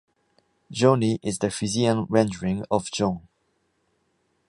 "Joni" is the Fijian rendering of "John".